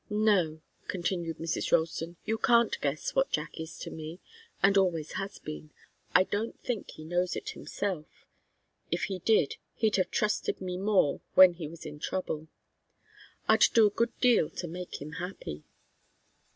"No," continued Mrs. Ralston. "You can't guess what Jack is to me, and always has been. I don't think he knows it himself. If he did, he'd have trusted me more when he was in trouble. I'd do a good deal to make him happy."